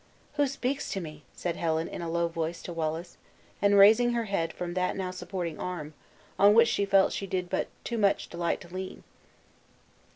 "Who speaks to me?" said Helen, in a low voice to Wallace, and raising her head from that now supporting arm, on which she felt she did but too much delight to lean.